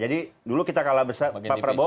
jadi dulu kita kalah besar pak prabowo